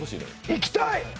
行きたい！